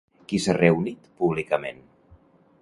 Qui s'ha reunit públicament?